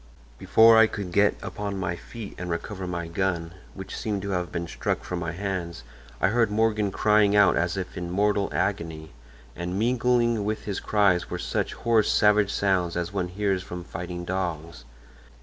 "Before I could get upon my feet and recover my gun, which seemed to have been struck from my hands, I heard Morgan crying out as if in mortal agony, and mingling with his cries were such hoarse, savage sounds as one hears from fighting dogs.